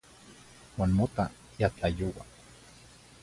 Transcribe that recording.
Uan mota ya tlayoua.